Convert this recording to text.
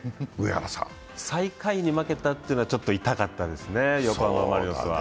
最下位に負けたというのはちょっと痛かったですね、横浜Ｆ・マリノスは。